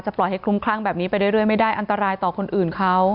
ปล่อยให้คลุมคลั่งแบบนี้ไปเรื่อยไม่ได้อันตรายต่อคนอื่นเขา